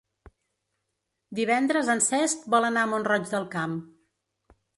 Divendres en Cesc vol anar a Mont-roig del Camp.